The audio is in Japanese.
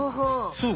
そう。